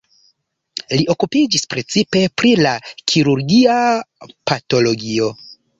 Li okupiĝis precipe pri la kirurgia patologio.